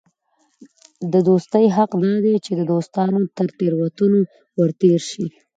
د دوستي حق دا دئ، چي د دوستانو تر تېروتنو ور تېر سې.